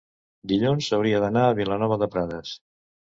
dilluns hauria d'anar a Vilanova de Prades.